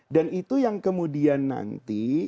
dan itu yang kemudian nanti